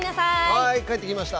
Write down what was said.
はい帰ってきました。